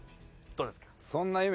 どうですか？